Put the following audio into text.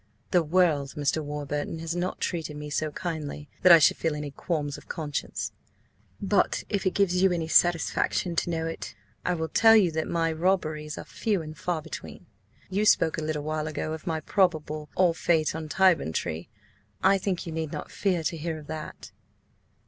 "The world, Mr. Warburton, has not treated me so kindly that I should feel any qualms of conscience. But, an it gives you any satisfaction to know it, I will tell you that my robberies are few and far between. You spoke a little while ago of my probable–ah–fate–on Tyburn Tree. I think you need not fear to hear of that."